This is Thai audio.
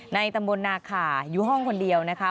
ตำบลนาขาอยู่ห้องคนเดียวนะคะ